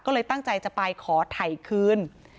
ก็เลยตั้งใจจะไปขอถ่ายคืน